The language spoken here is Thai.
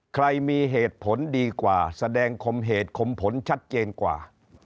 ใครมีเหตุผลดีกว่าแสดงคมเหตุคมผลชัดเจนกว่า